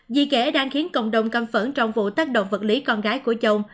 dì ghẻ đang khiến cộng đồng căm phẫn trong vụ tác động vật lý con gái của chồng